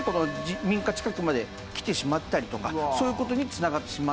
民家近くまできてしまったりとかそういう事に繋がってしまったという事なんです。